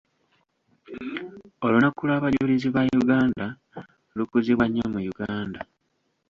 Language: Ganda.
Olunaku lw'abajulizi ba Uganda lukuzibwa nnyo mu Uganda.